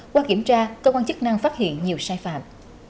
qua kiểm tra cơ quan chức năng phát hiện nhiều sai phạm